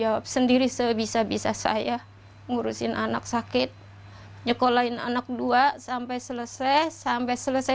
jawab sendiri sebisa bisa saya ngurusin anak sakit nyekolahin anak dua sampai selesai sampai selesai